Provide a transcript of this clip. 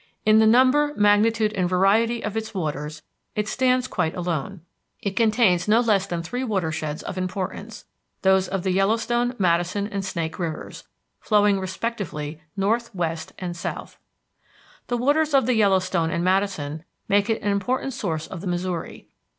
In the number, magnitude, and variety of its waters it stands quite alone. It contains no less than three watersheds of importance, those of the Yellowstone, Madison, and Snake Rivers, flowing respectively north, west, and south. The waters of the Yellowstone and Madison make it an important source of the Missouri.